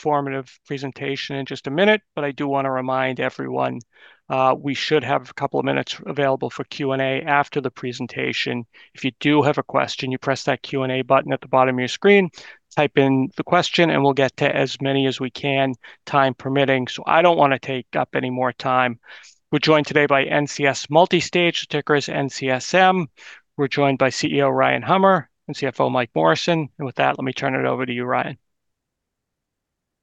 Informative presentation in just a minute, but I do want to remind everyone. We should have a couple of minutes available for Q&A after the presentation. If you do have a question, you press that Q&A button at the bottom of your screen, type in the question, and we'll get to as many as we can, time permitting, so I don't want to take up any more time. We're joined today by NCS Multistage, the ticker is NCSM. We're joined by CEO Ryan Hummer and CFO Mike Morrison, and with that, let me turn it over to you, Ryan.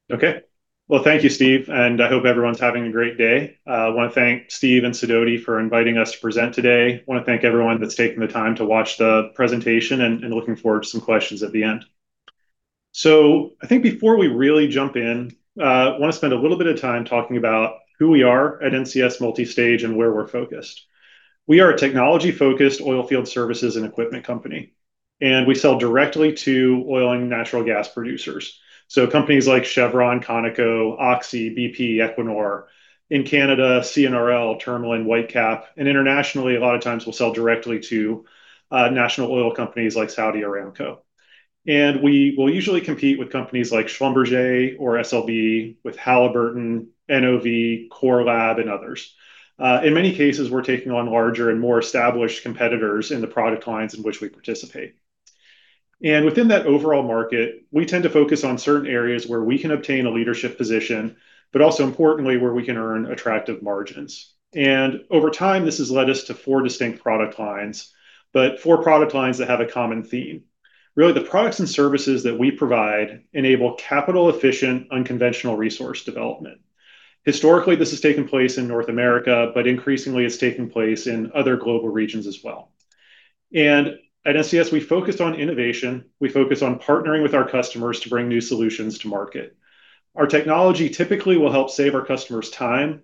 Okay, well, thank you, Steve, and I hope everyone's having a great day. I want to thank Steve and Sidoti for inviting us to present today. I want to thank everyone that's taking the time to watch the presentation and looking forward to some questions at the end, so I think before we really jump in, I want to spend a little bit of time talking about who we are at NCS Multistage and where we're focused. We are a technology-focused oil field services and equipment company, and we sell directly to oil and natural gas producers, so companies like Chevron, Conoco, Oxy, BP, Equinor in Canada, CNRL, Tourmaline and Whitecap, and internationally, a lot of times we'll sell directly to national oil companies like Saudi Aramco, and we will usually compete with companies like Schlumberger or SLB, with Halliburton, NOV, Core Lab, and others. In many cases, we're taking on larger and more established competitors in the product lines in which we participate. And within that overall market, we tend to focus on certain areas where we can obtain a leadership position, but also importantly, where we can earn attractive margins. And over time, this has led us to four distinct product lines, but four product lines that have a common theme. Really, the products and services that we provide enable capital-efficient, unconventional resource development. Historically, this has taken place in North America, but increasingly, it's taking place in other global regions as well. And at NCS, we focus on innovation. We focus on partnering with our customers to bring new solutions to market. Our technology typically will help save our customers time,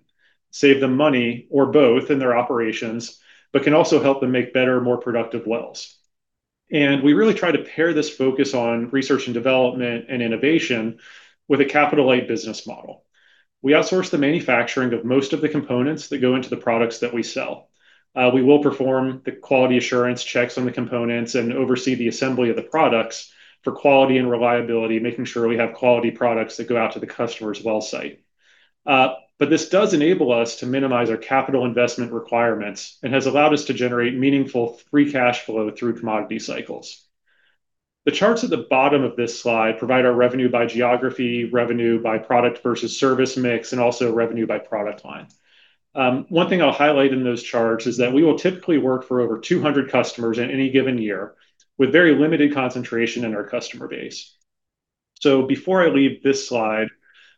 save them money, or both in their operations, but can also help them make better, more productive wells. And we really try to pair this focus on research and development and innovation with a capital-light business model. We outsource the manufacturing of most of the components that go into the products that we sell. We will perform the quality assurance checks on the components and oversee the assembly of the products for quality and reliability, making sure we have quality products that go out to the customer's well site. But this does enable us to minimize our capital investment requirements and has allowed us to generate meaningful free cash flow through commodity cycles. The charts at the bottom of this slide provide our revenue by geography, revenue by product versus service mix, and also revenue by product line. One thing I'll highlight in those charts is that we will typically work for over 200 customers in any given year with very limited concentration in our customer base. Before I leave this slide,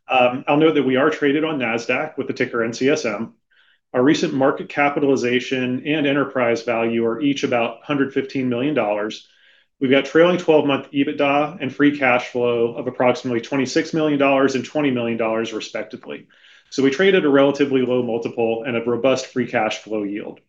I'll note that we are traded on NASDAQ with the ticker NCSM. Our recent market capitalization and enterprise value are each about $115 million. We've got trailing 12-month EBITDA and free cash flow of approximately $26 million and $20 million, respectively. We trade at a relatively low multiple and a robust free cash flow yield.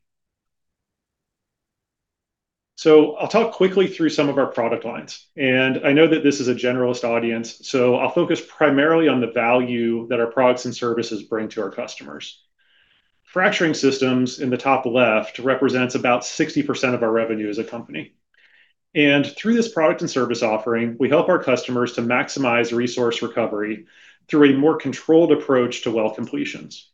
I'll talk quickly through some of our product lines. I know that this is a generalist audience, so I'll focus primarily on the value that our products and services bring to our customers. Fracturing Systems in the top left represents about 60% of our revenue as a company. Through this product and service offering, we help our customers to maximize resource recovery through a more controlled approach to well completions.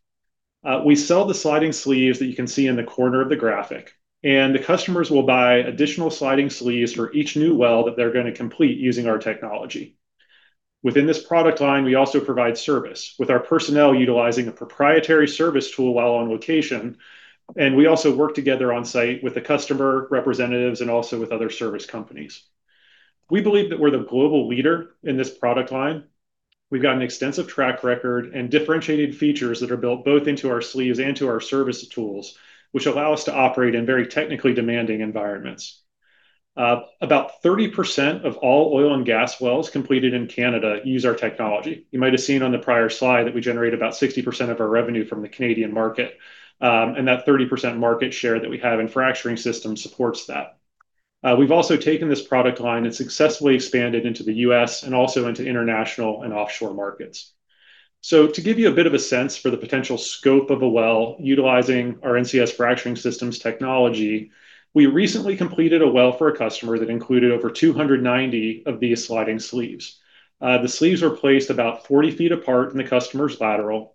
We sell the sliding sleeves that you can see in the corner of the graphic, and the customers will buy additional sliding sleeves for each new well that they're going to complete using our technology. Within this product line, we also provide service with our personnel utilizing a proprietary service tool while on location. And we also work together on site with the customer representatives and also with other service companies. We believe that we're the global leader in this product line. We've got an extensive track record and differentiated features that are built both into our sleeves and to our service tools, which allow us to operate in very technically demanding environments. About 30% of all oil and gas wells completed in Canada use our technology. You might have seen on the prior slide that we generate about 60% of our revenue from the Canadian market. And that 30% market share that we have in Fracturing Systems supports that. We've also taken this product line and successfully expanded into the U.S. and also into international and offshore markets. So to give you a bit of a sense for the potential scope of a well utilizing our NCS Fracturing Systems technology, we recently completed a well for a customer that included over 290 of these sliding sleeves. The sleeves were placed about 40 feet apart in the customer's lateral,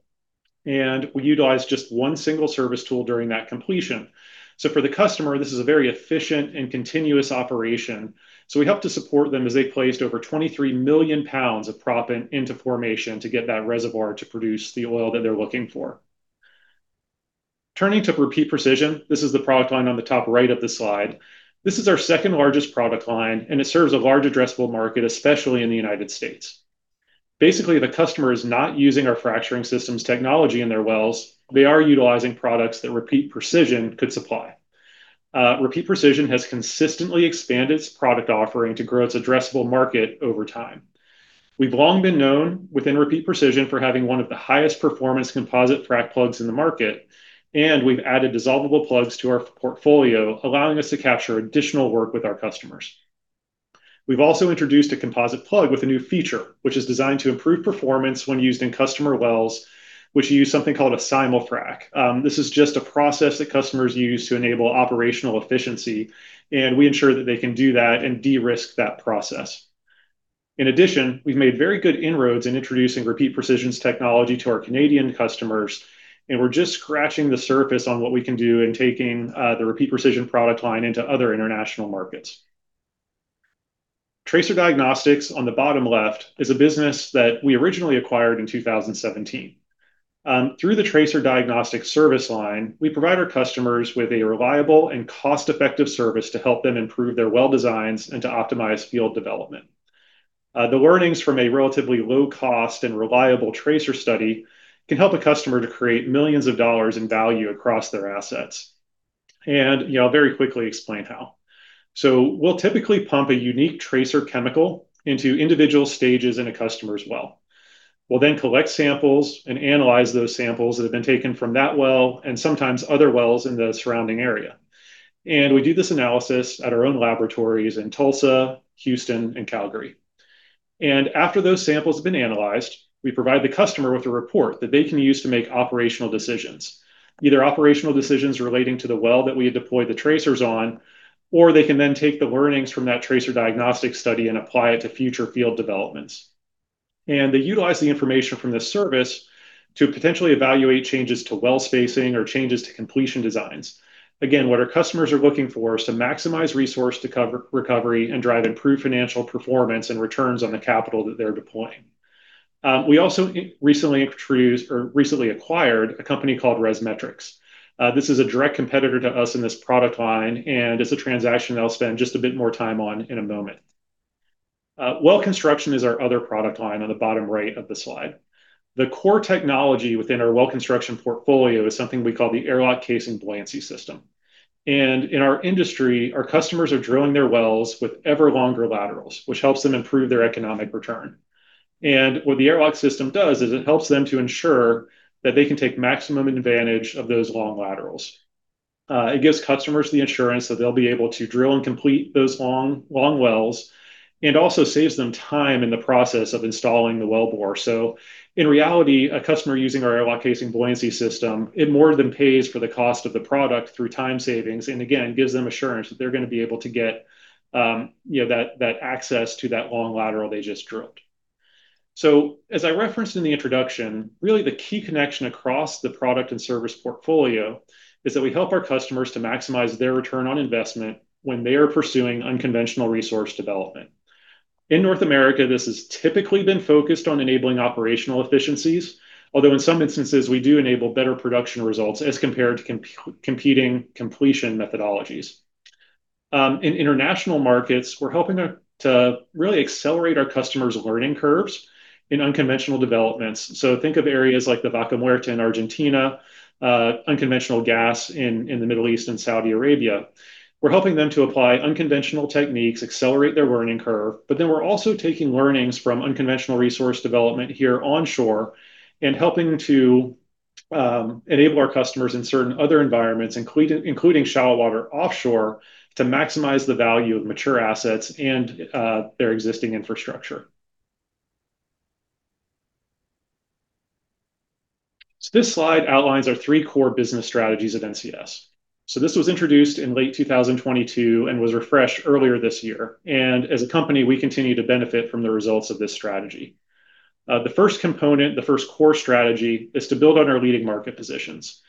and we utilized just one single service tool during that completion. So for the customer, this is a very efficient and continuous operation. So we helped to support them as they placed over 23 million pounds of prop into formation to get that reservoir to produce the oil that they're looking for. Turning to Repeat Precision, this is the product line on the top right of the slide. This is our second largest product line, and it serves a large addressable market, especially in the United States. Basically, the customer is not using our Fracturing systems technology in their wells. They are utilizing products that Repeat Precision could supply. Repeat Precision has consistently expanded its product offering to grow its addressable market over time. We've long been known within Repeat Precision for having one of the highest performance composite frac plugs in the market, and we've added dissolvable plugs to our portfolio, allowing us to capture additional work with our customers. We've also introduced a composite plug with a new feature, which is designed to improve performance when used in customer wells, which use something called a simul-frac. This is just a process that customers use to enable operational efficiency, and we ensure that they can do that and de-risk that process. In addition, we've made very good inroads in introducing Repeat Precision's technology to our Canadian customers, and we're just scratching the surface on what we can do in taking the Repeat Precision product line into other international markets. Tracer Diagnostics on the bottom left is a business that we originally acquired in 2017. Through the Tracer Diagnostics service line, we provide our customers with a reliable and cost-effective service to help them improve their well designs and to optimize field development. The learnings from a relatively low-cost and reliable tracer study can help a customer to create millions of dollars in value across their assets, and you know, I'll very quickly explain how. So we'll typically pump a unique tracer chemical into individual stages in a customer's well. We'll then collect samples and analyze those samples that have been taken from that well and sometimes other wells in the surrounding area. And we do this analysis at our own laboratories in Tulsa, Houston, and Calgary. And after those samples have been analyzed, we provide the customer with a report that they can use to make operational decisions, either operational decisions relating to the well that we had deployed the tracers on, or they can then take the learnings from that tracer diagnostic study and apply it to future field developments. And they utilize the information from this service to potentially evaluate changes to well spacing or changes to completion designs. Again, what our customers are looking for is to maximize resource recovery and drive improved financial performance and returns on the capital that they're deploying. We also recently introduced or recently acquired a company called ResMetrics. This is a direct competitor to us in this product line, and it's a transaction that I'll spend just a bit more time on in a moment. Well Construction is our other product line on the bottom right of the slide. The core technology within our Well Construction portfolio is something we call the AirLock Casing Buoyancy System. And in our industry, our customers are drilling their wells with ever longer laterals, which helps them improve their economic return. And what the AirLock system does is it helps them to ensure that they can take maximum advantage of those long laterals. It gives customers the assurance that they'll be able to drill and complete those long, long wells and also saves them time in the process of installing the wellbore. So in reality, a customer using our AirLock Casing Buoyancy System, it more than pays for the cost of the product through time savings and again, gives them assurance that they're going to be able to get, you know, that, that access to that long lateral they just drilled. So as I referenced in the introduction, really the key connection across the product and service portfolio is that we help our customers to maximize their return on investment when they are pursuing unconventional resource development. In North America, this has typically been focused on enabling operational efficiencies, although in some instances we do enable better production results as compared to competing completion methodologies. In international markets, we're helping to really accelerate our customers' learning curves in unconventional developments, so think of areas like the Vaca Muerta in Argentina, unconventional gas in the Middle East and Saudi Arabia. We're helping them to apply unconventional techniques, accelerate their learning curve, but then we're also taking learnings from unconventional resource development here onshore and helping to enable our customers in certain other environments, including shallow water offshore to maximize the value of mature assets and their existing infrastructure, so this slide outlines our three core business strategies at NCS. This was introduced in late 2022 and was refreshed earlier this year, and as a company, we continue to benefit from the results of this strategy. The first core strategy is to build on our leading market positions.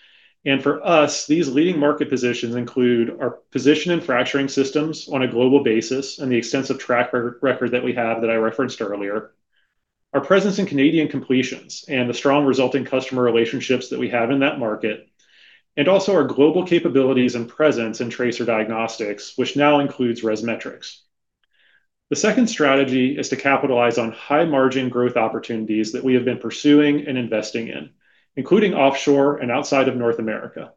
And for us, these leading market positions include our position in Fracturing Systems on a global basis and the extensive track record that we have that I referenced earlier, our presence in Canadian completions and the strong resulting customer relationships that we have in that market, and also our global capabilities and presence in Tracer Diagnostics, which now includes ResMetrics. The second strategy is to capitalize on high margin growth opportunities that we have been pursuing and investing in, including offshore and outside of North America.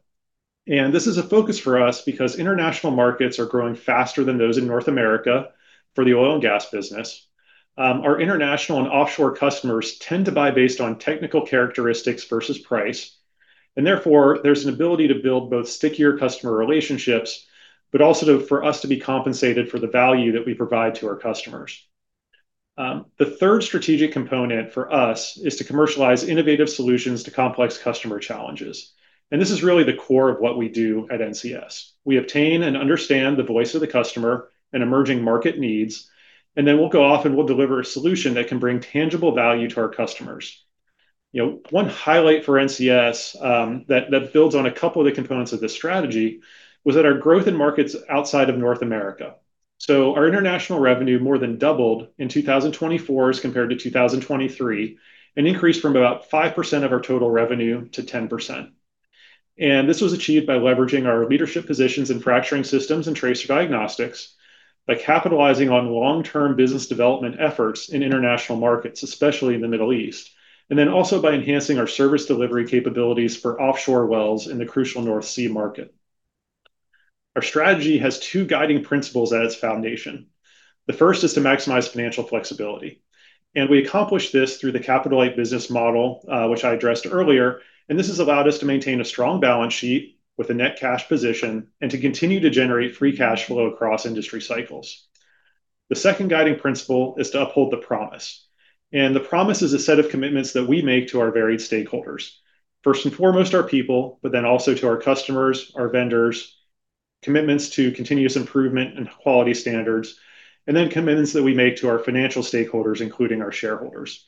And this is a focus for us because international markets are growing faster than those in North America for the oil and gas business. Our international and offshore customers tend to buy based on technical characteristics versus price, and therefore there's an ability to build both stickier customer relationships, but also for us to be compensated for the value that we provide to our customers. The third strategic component for us is to commercialize innovative solutions to complex customer challenges, and this is really the core of what we do at NCS. We obtain and understand the voice of the customer and emerging market needs, and then we'll go off and we'll deliver a solution that can bring tangible value to our customers. You know, one highlight for NCS that builds on a couple of the components of this strategy was that our growth in markets outside of North America. Our international revenue more than doubled in 2024 as compared to 2023 and increased from about 5% of our total revenue to 10%. This was achieved by leveraging our leadership positions in Fracturing Systems and Tracer Diagnostics, by capitalizing on long-term business development efforts in international markets, especially in the Middle East, and then also by enhancing our service delivery capabilities for offshore wells in the crucial North Sea market. Our strategy has two guiding principles at its foundation. The first is to maximize financial flexibility. We accomplish this through the capital-light business model, which I addressed earlier, and this has allowed us to maintain a strong balance sheet with a net cash position and to continue to generate free cash flow across industry cycles. The second guiding principle is to uphold the promise. The promise is a set of commitments that we make to our varied stakeholders. First and foremost, our people, but then also to our customers, our vendors, commitments to continuous improvement and quality standards, and then commitments that we make to our financial stakeholders, including our shareholders.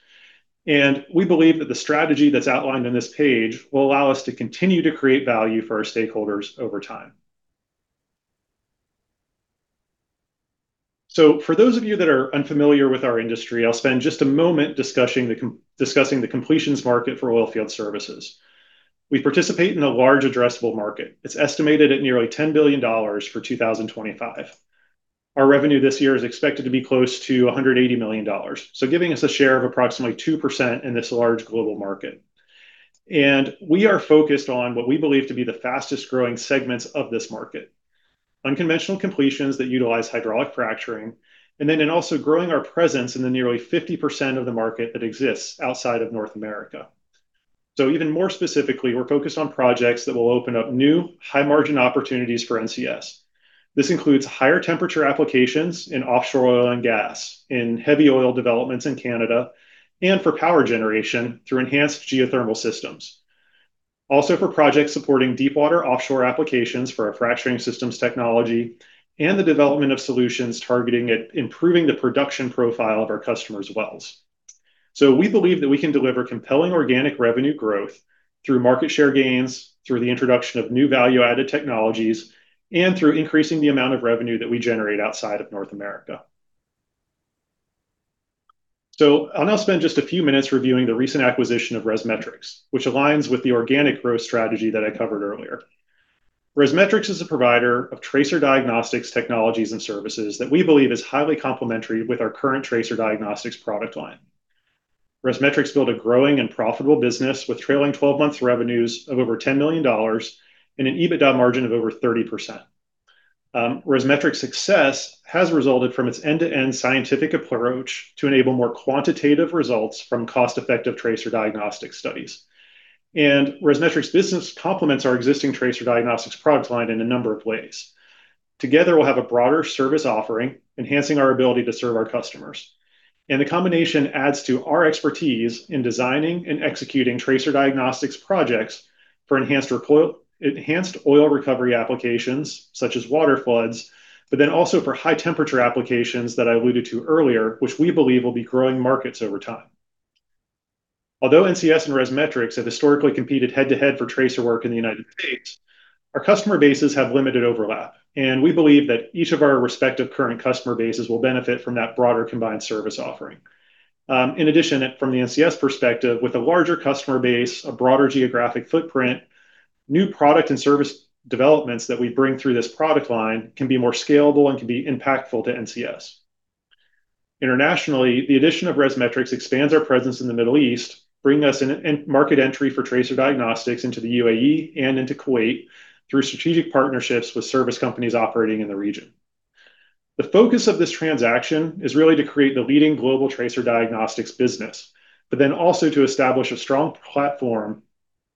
We believe that the strategy that's outlined on this page will allow us to continue to create value for our stakeholders over time. For those of you that are unfamiliar with our industry, I'll spend just a moment discussing the completions market for oil field services. We participate in a large addressable market. It's estimated at nearly $10 billion for 2025. Our revenue this year is expected to be close to $180 million, so giving us a share of approximately 2% in this large global market. And we are focused on what we believe to be the fastest growing segments of this market: unconventional completions that utilize hydraulic fracturing, and then in also growing our presence in the nearly 50% of the market that exists outside of North America. So even more specifically, we're focused on projects that will open up new high-margin opportunities for NCS. This includes higher temperature applications in offshore oil and gas, in heavy oil developments in Canada, and for power generation through enhanced geothermal systems. Also for projects supporting deep water offshore applications for our Fracturing Systems technology and the development of solutions targeting at improving the production profile of our customers' wells. So we believe that we can deliver compelling organic revenue growth through market share gains, through the introduction of new value-added technologies, and through increasing the amount of revenue that we generate outside of North America. So I'll now spend just a few minutes reviewing the recent acquisition of ResMetrics, which aligns with the organic growth strategy that I covered earlier. ResMetrics is a provider of Tracer Diagnostics technologies and services that we believe is highly complementary with our current Tracer Diagnostics product line. ResMetrics built a growing and profitable business with trailing 12-month revenues of over $10 million and an EBITDA margin of over 30%. ResMetrics' success has resulted from its end-to-end scientific approach to enable more quantitative results from cost-effective Tracer Diagnostics studies. And ResMetrics' business complements our existing Tracer Diagnostics product line in a number of ways. Together, we'll have a broader service offering, enhancing our ability to serve our customers. And the combination adds to our expertise in designing and executing Tracer Diagnostics projects for enhanced oil recovery applications such as waterfloods, but then also for high-temperature applications that I alluded to earlier, which we believe will be growing markets over time. Although NCS and ResMetrics have historically competed head-to-head for Tracer work in the United States, our customer bases have limited overlap, and we believe that each of our respective current customer bases will benefit from that broader combined service offering. In addition, from the NCS perspective, with a larger customer base, a broader geographic footprint, new product and service developments that we bring through this product line can be more scalable and can be impactful to NCS. Internationally, the addition of ResMetrics expands our presence in the Middle East, bringing us in market entry for Tracer Diagnostics into the UAE and into Kuwait through strategic partnerships with service companies operating in the region. The focus of this transaction is really to create the leading global Tracer Diagnostics business, but then also to establish a strong platform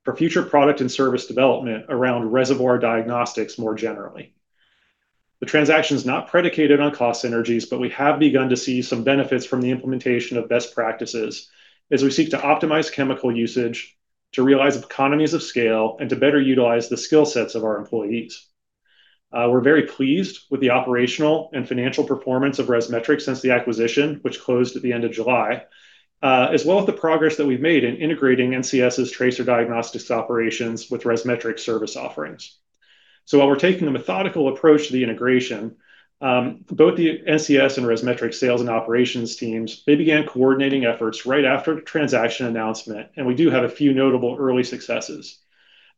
for future product and service development around reservoir diagnostics more generally. The transaction is not predicated on cost synergies, but we have begun to see some benefits from the implementation of best practices as we seek to optimize chemical usage, to realize economies of scale, and to better utilize the skill sets of our employees. We're very pleased with the operational and financial performance of ResMetrics since the acquisition, which closed at the end of July, as well as the progress that we've made in integrating NCS's Tracer Diagnostics operations with ResMetrics service offerings. So while we're taking a methodical approach to the integration, both the NCS and ResMetrics sales and operations teams, they began coordinating efforts right after the transaction announcement, and we do have a few notable early successes.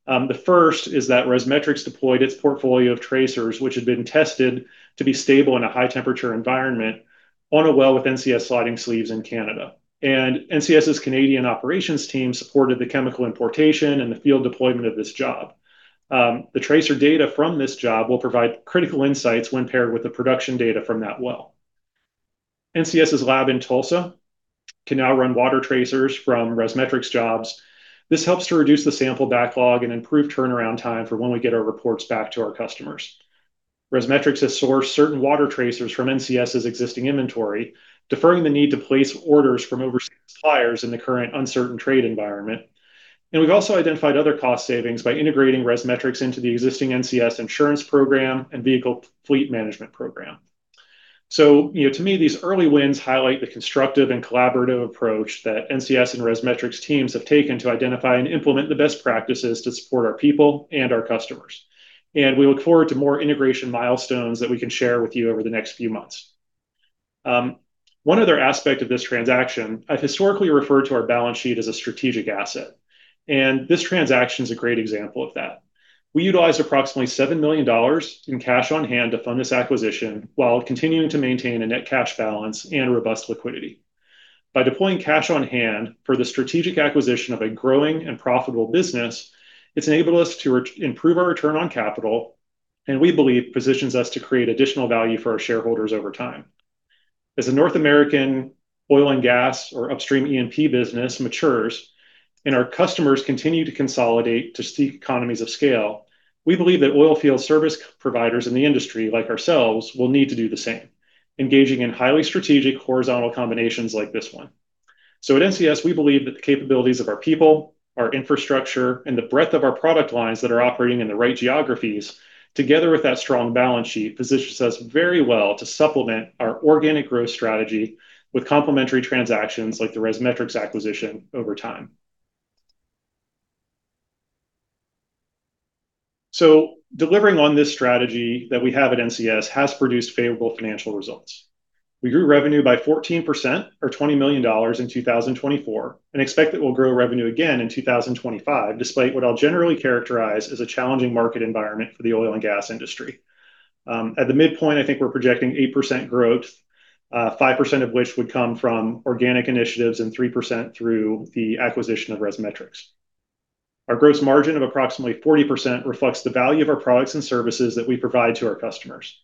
The first is that ResMetrics deployed its portfolio of tracers, which had been tested to be stable in a high-temperature environment on a well with NCS sliding sleeves in Canada, and NCS's Canadian operations team supported the chemical importation and the field deployment of this job. The tracer data from this job will provide critical insights when paired with the production data from that well. NCS's lab in Tulsa can now run water tracers from ResMetrics jobs. This helps to reduce the sample backlog and improve turnaround time for when we get our reports back to our customers. ResMetrics has sourced certain water tracers from NCS's existing inventory, deferring the need to place orders from overseas suppliers in the current uncertain trade environment. And we've also identified other cost savings by integrating ResMetrics into the existing NCS insurance program and vehicle fleet management program. So, you know, to me, these early wins highlight the constructive and collaborative approach that NCS and ResMetrics teams have taken to identify and implement the best practices to support our people and our customers. And we look forward to more integration milestones that we can share with you over the next few months. One other aspect of this transaction, I've historically referred to our balance sheet as a strategic asset. This transaction is a great example of that. We utilized approximately $7 million in cash on hand to fund this acquisition while continuing to maintain a net cash balance and robust liquidity. By deploying cash on hand for the strategic acquisition of a growing and profitable business, it's enabled us to improve our return on capital, and we believe positions us to create additional value for our shareholders over time. As a North American oil and gas or upstream E&P business matures and our customers continue to consolidate to seek economies of scale, we believe that oil field service providers in the industry like ourselves will need to do the same, engaging in highly strategic horizontal combinations like this one. So at NCS, we believe that the capabilities of our people, our infrastructure, and the breadth of our product lines that are operating in the right geographies, together with that strong balance sheet, positions us very well to supplement our organic growth strategy with complementary transactions like the ResMetrics acquisition over time. So delivering on this strategy that we have at NCS has produced favorable financial results. We grew revenue by 14% or $20 million in 2024 and expect that we'll grow revenue again in 2025, despite what I'll generally characterize as a challenging market environment for the oil and gas industry. At the midpoint, I think we're projecting 8% growth, 5% of which would come from organic initiatives and 3% through the acquisition of ResMetrics. Our gross margin of approximately 40% reflects the value of our products and services that we provide to our customers.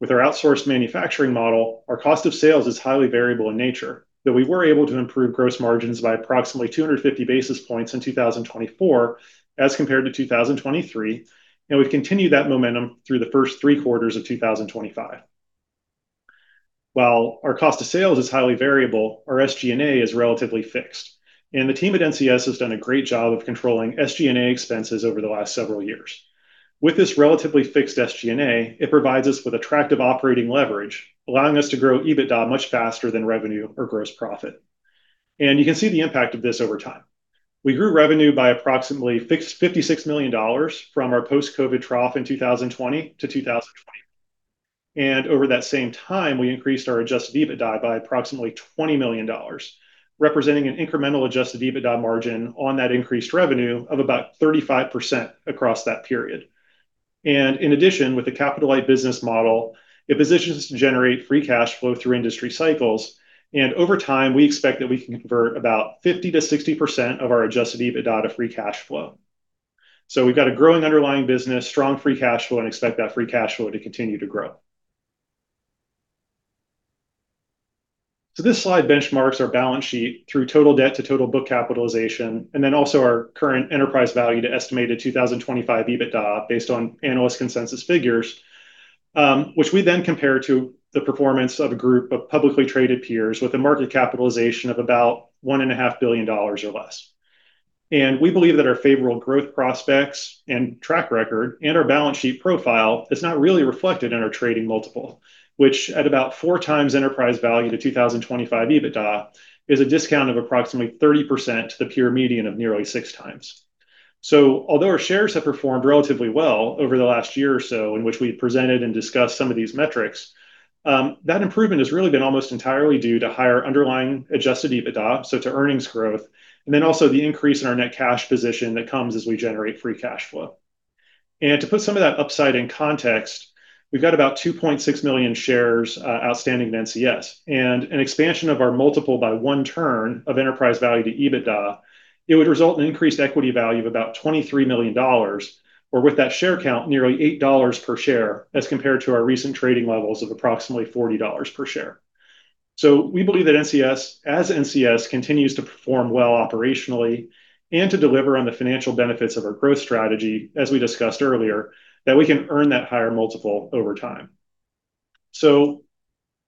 With our outsourced manufacturing model, our cost of sales is highly variable in nature, but we were able to improve gross margins by approximately 250 basis points in 2024 as compared to 2023, and we've continued that momentum through the first three quarters of 2025. While our cost of sales is highly variable, our SG&A is relatively fixed, and the team at NCS has done a great job of controlling SG&A expenses over the last several years. With this relatively fixed SG&A, it provides us with attractive operating leverage, allowing us to grow EBITDA much faster than revenue or gross profit, and you can see the impact of this over time. We grew revenue by approximately $56 million from our post-COVID trough in 2020 to 2024. And over that same time, we increased our Adjusted EBITDA by approximately $20 million, representing an incremental Adjusted EBITDA margin on that increased revenue of about 35% across that period. And in addition, with the capital-light business model, it positions us to generate free cash flow through industry cycles. And over time, we expect that we can convert about 50%-60% of our Adjusted EBITDA to free cash flow. So we've got a growing underlying business, strong free cash flow, and expect that free cash flow to continue to grow. So this slide benchmarks our balance sheet through total debt to total book capitalization, and then also our current enterprise value to estimated 2025 EBITDA based on analyst consensus figures, which we then compare to the performance of a group of publicly traded peers with a market capitalization of about $1.5 billion or less. And we believe that our favorable growth prospects and track record and our balance sheet profile is not really reflected in our trading multiple, which at about four times Enterprise value to 2025 EBITDA is a discount of approximately 30% to the peer median of nearly six times. So although our shares have performed relatively well over the last year or so in which we've presented and discussed some of these metrics, that improvement has really been almost entirely due to higher underlying Adjusted EBITDA, so to earnings growth, and then also the increase in our net cash position that comes as we generate Free cash flow. And to put some of that upside in context, we've got about 2.6 million shares outstanding in NCS, and an expansion of our multiple by one turn of enterprise value to EBITDA, it would result in an increased equity value of about $23 million, or with that share count, nearly $8 per share as compared to our recent trading levels of approximately $40 per share. So we believe that NCS, as NCS continues to perform well operationally and to deliver on the financial benefits of our growth strategy, as we discussed earlier, that we can earn that higher multiple over time. So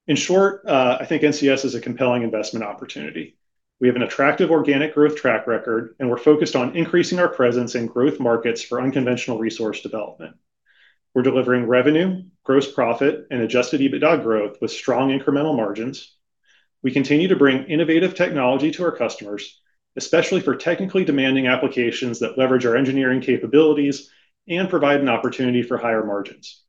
in short, I think NCS is a compelling investment opportunity. We have an attractive organic growth track record, and we're focused on increasing our presence in growth markets for unconventional resource development. We're delivering revenue, gross profit, and Adjusted EBITDA growth with strong incremental margins. We continue to bring innovative technology to our customers, especially for technically demanding applications that leverage our engineering capabilities and provide an opportunity for higher margins.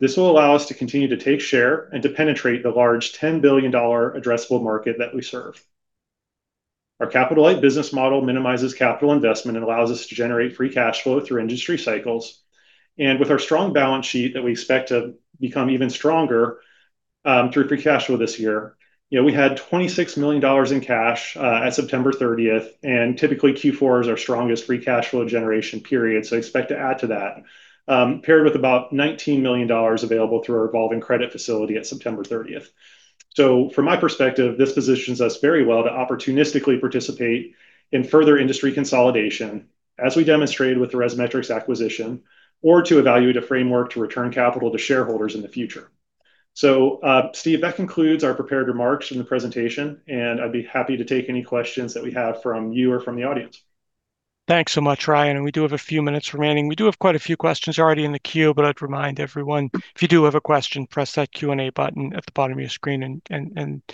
This will allow us to continue to take share and to penetrate the large $10 billion addressable market that we serve. Our capital-light business model minimizes capital investment and allows us to generate free cash flow through industry cycles, and with our strong balance sheet that we expect to become even stronger, through free cash flow this year, you know, we had $26 million in cash, at September 30th, and typically Q4 is our strongest free cash flow generation period, so I expect to add to that, paired with about $19 million available through our revolving credit facility at September 30th. So from my perspective, this positions us very well to opportunistically participate in further industry consolidation, as we demonstrated with the ResMetrics acquisition, or to evaluate a framework to return capital to shareholders in the future. So, Steve, that concludes our prepared remarks from the presentation, and I'd be happy to take any questions that we have from you or from the audience. Thanks so much, Ryan. And we do have a few minutes remaining. We do have quite a few questions already in the queue, but I'd remind everyone, if you do have a question, press that Q&A button at the bottom of your screen and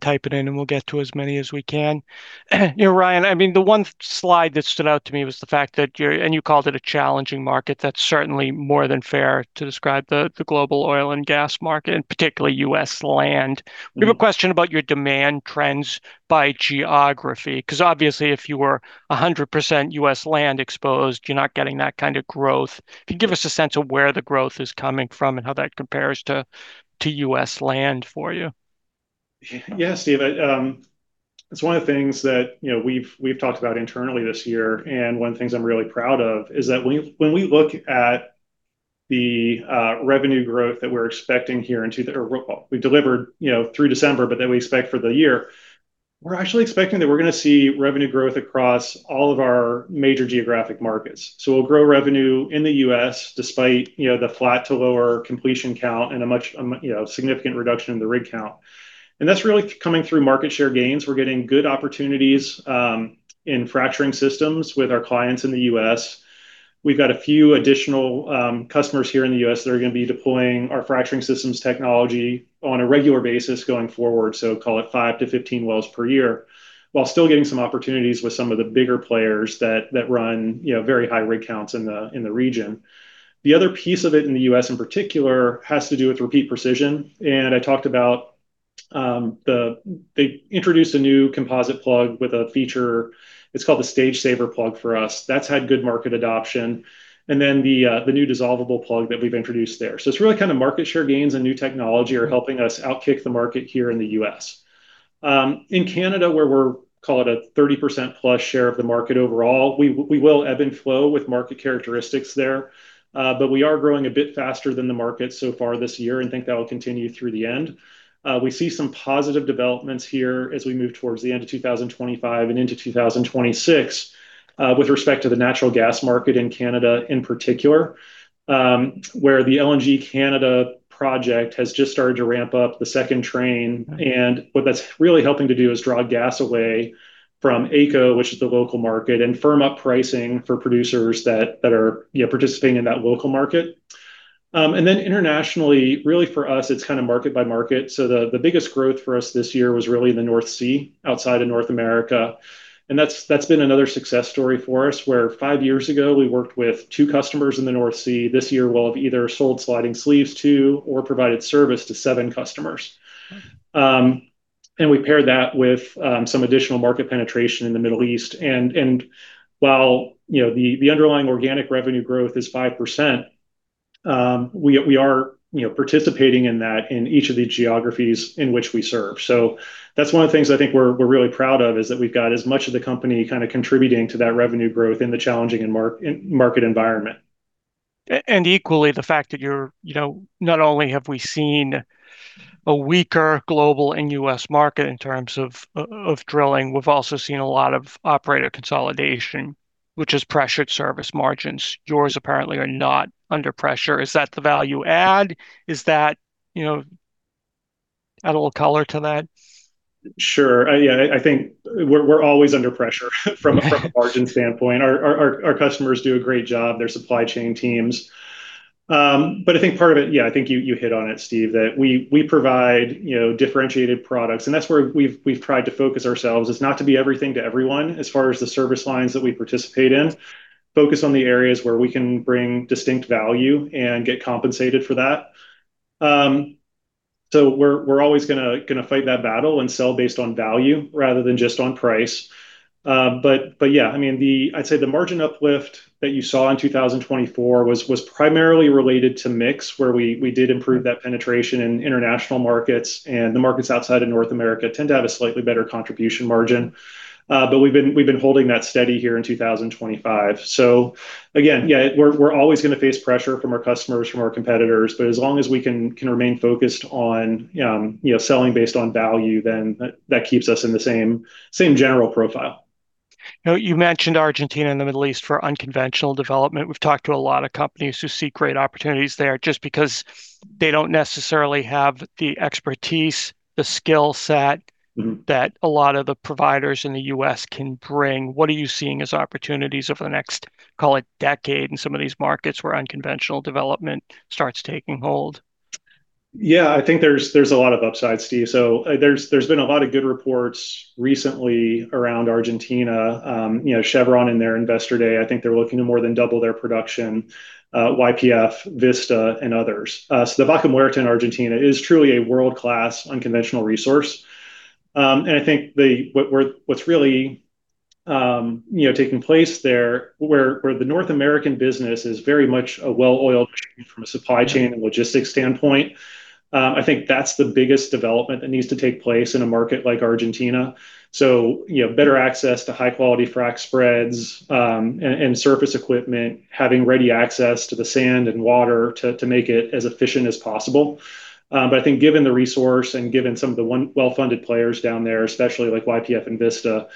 type it in, and we'll get to as many as we can. You know, Ryan, I mean, the one slide that stood out to me was the fact that you're, and you called it a challenging market. That's certainly more than fair to describe the global oil and gas market, and particularly U.S. land. We have a question about your demand trends by geography, because obviously if you were 100% U.S. land exposed, you're not getting that kind of growth. If you can give us a sense of where the growth is coming from and how that compares to U.S. land for you. Yeah, Steve, it's one of the things that, you know, we've talked about internally this year, and one of the things I'm really proud of is that when we look at the revenue growth that we're expecting here in, or we've delivered, you know, through December, but that we expect for the year, we're actually expecting that we're going to see revenue growth across all of our major geographic markets. So we'll grow revenue in the U.S. Despite, you know, the flat-to-lower completion count and a much, you know, significant reduction in the rig count. And that's really coming through market share gains. We're getting good opportunities in Fracturing Systems with our clients in the U.S. We've got a few additional customers here in the U.S. that are going to be deploying our Fracturing Systems technology on a regular basis going forward, so call it five to 15 wells per year, while still getting some opportunities with some of the bigger players that run, you know, very high rig counts in the region. The other piece of it in the U.S. In particular has to do with Repeat Precision, and I talked about they introduced a new composite plug with a feature. It's called the StageSaver Plug for us. That's had good market adoption, and then the new dissolvable plug that we've introduced there. So it's really kind of market share gains and new technology are helping us outkick the market here in the U.S. in Canada, where we're, call it, a 30% plus share of the market overall. We will ebb and flow with market characteristics there, but we are growing a bit faster than the market so far this year and think that will continue through the end. We see some positive developments here as we move towards the end of 2025 and into 2026, with respect to the natural gas market in Canada in particular, where the LNG Canada project has just started to ramp up the second train, and what that's really helping to do is draw gas away from AECO, which is the local market, and firm up pricing for producers that are, you know, participating in that local market. And then internationally, really for us, it's kind of market by market. So the biggest growth for us this year was really in the North Sea outside of North America. And that's been another success story for us where five years ago we worked with two customers in the North Sea. This year we'll have either sold sliding sleeves to or provided service to seven customers. And we paired that with some additional market penetration in the Middle East. And while, you know, the underlying organic revenue growth is 5%, we are, you know, participating in that in each of the geographies in which we serve. So that's one of the things I think we're really proud of is that we've got as much of the company kind of contributing to that revenue growth in the challenging and market environment. And equally, the fact that, you know, not only have we seen a weaker global and U.S. market in terms of drilling, we've also seen a lot of operator consolidation, which has pressured service margins. Yours apparently are not under pressure. Is that the value add? Is that, you know, add a little color to that? Sure. Yeah, I think we're always under pressure from a margin standpoint. Our customers do a great job, their supply chain teams. But I think part of it, yeah, I think you hit on it, Steve, that we provide, you know, differentiated products. And that's where we've tried to focus ourselves is not to be everything to everyone as far as the service lines that we participate in, focus on the areas where we can bring distinct value and get compensated for that. So we're always going to fight that battle and sell based on value rather than just on price. But, but yeah, I mean, the, I'd say the margin uplift that you saw in 2024 was primarily related to mix, where we did improve that penetration in international markets, and the markets outside of North America tend to have a slightly better contribution margin. But we've been holding that steady here in 2025. So again, yeah, we're always going to face pressure from our customers, from our competitors, but as long as we can remain focused on, you know, selling based on value, then that keeps us in the same general profile. Now, you mentioned Argentina and the Middle East for unconventional development. We've talked to a lot of companies who see great opportunities there just because they don't necessarily have the expertise, the skill set that a lot of the providers in the U.S. can bring. What are you seeing as opportunities over the next, call it decade, in some of these markets where unconventional development starts taking hold? Yeah, I think there's a lot of upside, Steve. So there's been a lot of good reports recently around Argentina, you know, Chevron in their investor day. I think they're looking to more than double their production, YPF, Vista, and others. So the Vaca Muerta in Argentina is truly a world-class unconventional resource. And I think what's really, you know, taking place there, where the North American business is very much a well-oiled chain from a supply chain and logistics standpoint. I think that's the biggest development that needs to take place in a market like Argentina. So, you know, better access to high-quality frac spreads, and surface equipment, having ready access to the sand and water to make it as efficient as possible. But I think given the resource and given some of the one well-funded players down there, especially like YPF and Vista,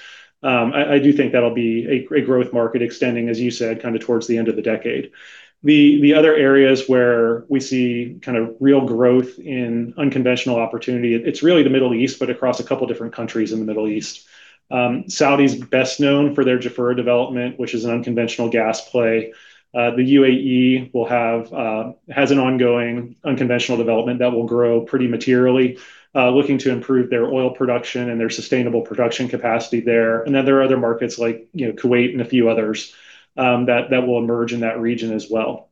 I do think that'll be a growth market extending, as you said, kind of towards the end of the decade. The other areas where we see kind of real growth in unconventional opportunity, it's really the Middle East, but across a couple different countries in the Middle East. Saudi Arabia's best known for their Jafurah development, which is an unconventional gas play. The UAE will have, has an ongoing unconventional development that will grow pretty materially, looking to improve their oil production and their sustainable production capacity there. And then there are other markets like, you know, Kuwait and a few others, that will emerge in that region as well.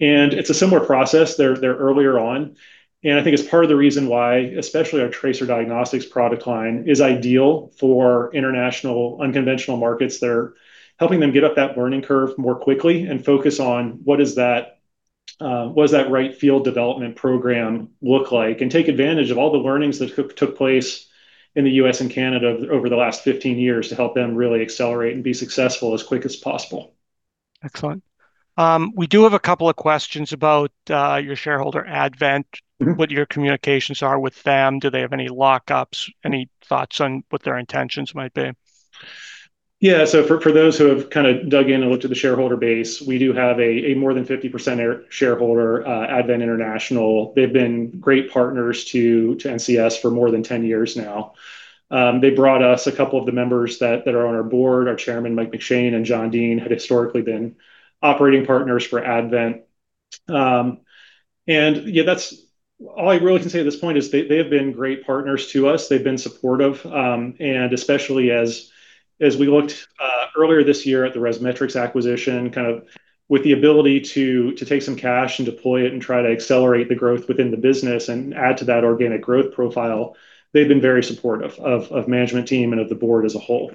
And it's a similar process there earlier on. And I think it's part of the reason why, especially our tracer diagnostics product line is ideal for international unconventional markets. They're helping them get up that learning curve more quickly and focus on what is that, what does that right field development program look like and take advantage of all the learnings that took place in the U.S. and Canada over the last 15 years to help them really accelerate and be successful as quick as possible. Excellent. We do have a couple of questions about your shareholder Advent, what your communications are with them. Do they have any lockups, any thoughts on what their intentions might be? Yeah, so for those who have kind of dug in and looked at the shareholder base, we do have a more than 50% shareholder, Advent International. They've been great partners to NCS for more than 10 years now. They brought us a couple of the members that are on our board, our Chairman, Mike McShane and John Deans, had historically been operating partners for Advent. Yeah, that's all I really can say at this point is they have been great partners to us. They've been supportive, and especially as we looked earlier this year at the ResMetrics acquisition, kind of with the ability to take some cash and deploy it and try to accelerate the growth within the business and add to that organic growth profile, they've been very supportive of management team and of the board as a whole.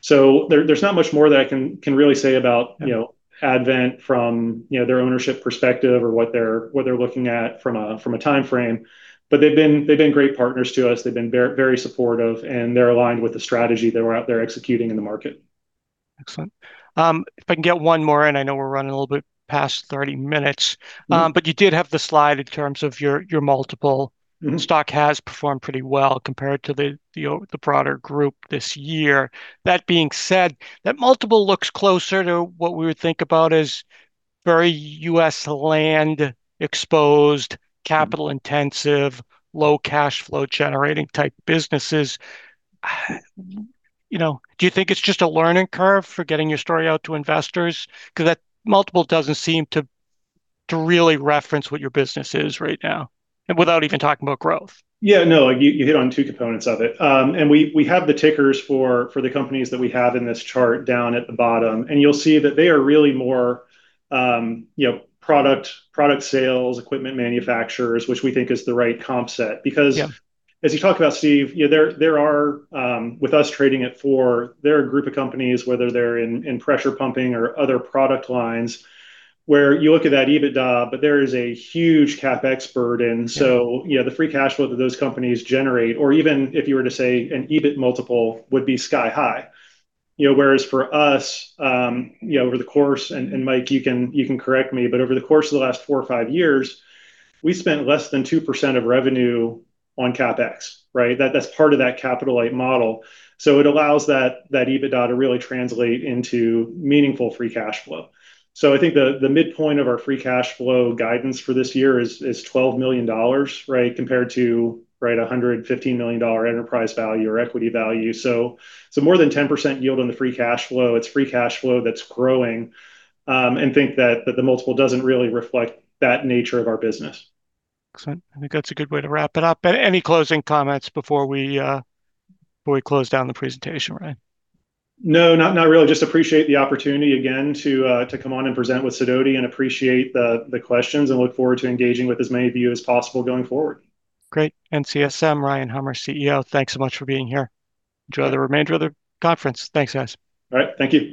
So there's not much more that I can really say about, you know, Advent from, you know, their ownership perspective or what they're looking at from a time frame. But they've been great partners to us. They've been very supportive, and they're aligned with the strategy that we're out there executing in the market. Excellent. If I can get one more, and I know we're running a little bit past 30 minutes, but you did have the slide in terms of your multiple stock has performed pretty well compared to the broader group this year. That being said, that multiple looks closer to what we would think about as very U.S. land exposed, capital intensive, low cash flow generating type businesses. You know, do you think it's just a learning curve for getting your story out to investors? Because that multiple doesn't seem to really reference what your business is right now, and without even talking about growth. Yeah, no, you hit on two components of it. And we have the tickers for the companies that we have in this chart down at the bottom, and you'll see that they are really more, you know, product sales, equipment manufacturers, which we think is the right comp set. Because as you talk about, Steve, you know, there are, with us trading at four, there are a group of companies, whether they're in pressure pumping or other product lines, where you look at that EBITDA, but there is a huge CapEx burden. So, you know, the free cash flow that those companies generate, or even if you were to say an EBIT multiple would be sky high. You know, whereas for us, you know, over the course, and Mike, you can correct me, but over the course of the last four or five years, we spent less than 2% of revenue on Capex, right? That's part of that capital light model. So it allows that EBITDA to really translate into meaningful free cash flow. So I think the midpoint of our free cash flow guidance for this year is $12 million, right, compared to, right, $115 million enterprise value or equity value. So more than 10% yield on the free cash flow, it's free cash flow that's growing, and think that the multiple doesn't really reflect that nature of our business. Excellent. I think that's a good way to wrap it up. But any closing comments before we close down the presentation, Ryan? No, not really. Just appreciate the opportunity again to come on and present with Sidoti and appreciate the questions and look forward to engaging with as many of you as possible going forward. Great. NCSM, Ryan Hummer, CEO. Thanks so much for being here. Enjoy the remainder of the conference. Thanks, guys. All right. Thank you.